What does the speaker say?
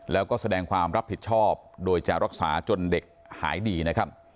แล้วก็แสดงความรับผิดชอบโดยจะรักษาจนเด็กหายดีนะครับ